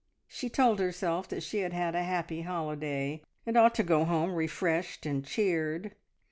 She told herself that she had had a happy holiday, and ought to go home refreshed and cheered.